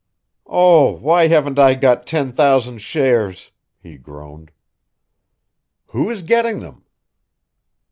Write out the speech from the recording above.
"Oh, why haven't I got ten thousand shares?" he groaned. "Who is getting them?"